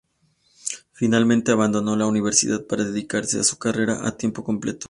Finalmente, abandonó la universidad para dedicarse a su carrera a tiempo completo.